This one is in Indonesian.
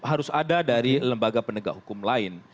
harus ada dari lembaga penegak hukum lain